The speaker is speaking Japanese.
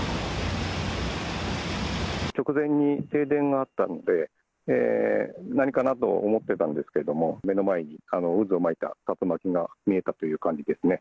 直前に停電があったので、何かなと思ってたんですけれども、目の前に渦を巻いた竜巻が見えたという感じですね。